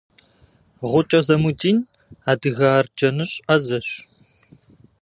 Гъукӏэ Замудин адыгэ арджэныщӏ ӏэзэщ.